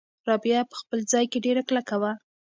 رابعه په خپل ځای کې ډېره کلکه وه.